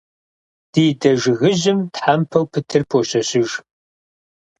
Ди дэ жыгыжьым тхьэмпэу пытыр пощэщыж.